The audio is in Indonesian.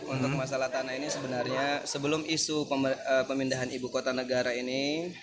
untuk masalah tanah ini sebenarnya sebelum isu pemindahan ibu kota negara ini